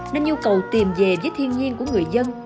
nên nhu cầu tìm về với thiên nhiên của người dân